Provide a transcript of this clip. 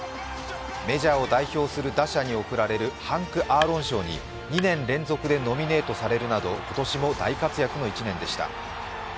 メジャーを代表する打者に贈られるハンク・アーロン賞に２年連続でノミネートされるなど今年も大活躍の１年でした。